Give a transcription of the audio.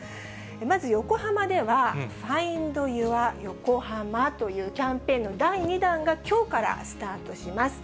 まず横浜では、ファインド・ユア・ヨコハマというキャンペーンの第２弾が、きょうからスタートします。